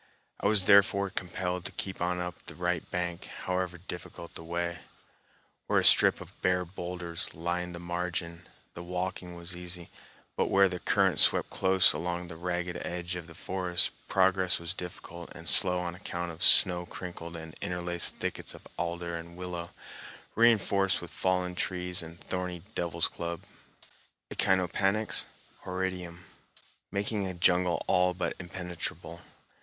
I was therefore compelled to keep on up the right bank, however difficult the way. Where a strip of bare boulders lined the margin, the walking was easy, but where the current swept close along the ragged edge of the forest, progress was difficult and slow on account of snow crinkled and interlaced thickets of alder and willow, reinforced with fallen trees and thorny devil's club (Echinopanax horridum), making a jungle all but impenetrable.